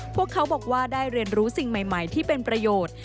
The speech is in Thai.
พวกเขาบอกว่าได้เรียนรู้สิ่งใหม่ที่เป็นประโยชน์